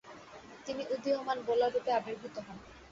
তিনি উদীয়মান বোলাররূপে আবির্ভূত হন।